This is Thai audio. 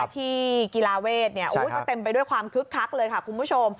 ที่กีฬาเวทก็เต็มไปด้วยความคึกคักเลยค่ะคุณผู้ชม